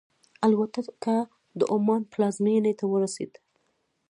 الوتکه د عمان پلازمینې ته ورسېده.